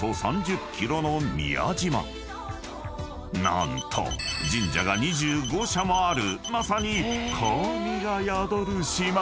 ［何と神社が２５社もあるまさに神が宿る島］